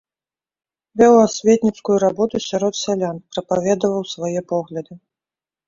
Вёў асветніцкую работу сярод сялян, прапаведаваў свае погляды.